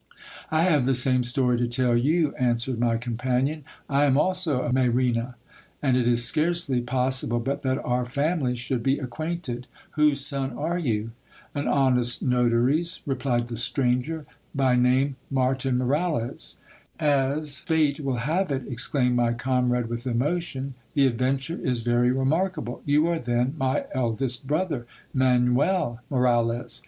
I have the same story to tell you, answered my companion. I am also of Mayrena ; and it is scarcely pos sible but that our families should be acquainted. Whose son are you ? An honest notary's, replied the stranger, by name Martin Moralez. As fate will have it, exclaimed my comrade with emotion, the adventure is very remarkable ! You are then my eldest brother, Manuel Moralez